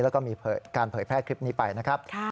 แล้วก็มีการเผยแพร่คลิปนี้ไปนะครับ